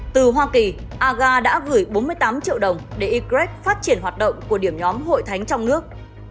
từ hoa kỳ aga đã gửi bốn mươi tám triệu đồng để ygrec phát triển hoạt động của điểm nhóm hội thánh trong nước